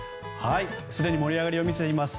すでに盛り上がりを見せています